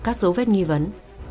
các dấu vết nghi vấn